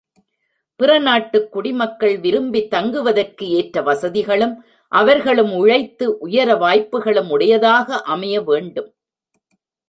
பிற நாட்டுக் குடிமக்கள் விரும்பித் தங்குவதற்கு ஏற்ற வசதிகளும், அவர்களும் உழைத்து உயர வாய்ப்புகளும் உடையதாக அமைய வேண்டும்.